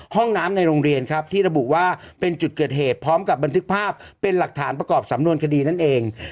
ห้องน้ำในโรงเรียนครับที่ระบุว่าเป็นจุดเกิดเหตุพร้อมกับบันทึกภาพเป็นหลักฐานประกอบสำนวนคดีนั่นเอง